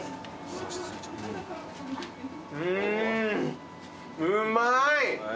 うんうまい！